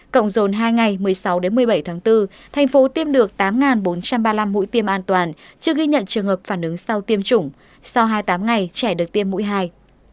cộng dồn hai ngày một mươi sáu một mươi bảy tháng bốn thành phố tiêm được tám bốn trăm ba mươi năm mũi tiêm an toàn chưa ghi nhận trường hợp phản ứng sau tiêm chủng sau hai mươi tám ngày trẻ được tiêm mũi hai